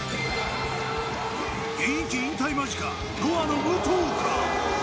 現役引退間近ＮＯＡＨの武藤か？